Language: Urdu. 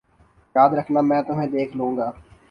یاد رکھنا میں تمہیں دیکھ لوں گا